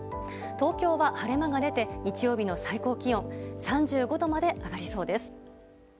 東京は晴れ間が出て日曜日の最高気温３５度まで上がりそうです。